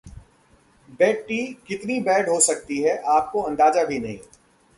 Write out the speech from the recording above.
'bed tea' कितनी bad हो सकती है आपको अंदाजा भी नहीं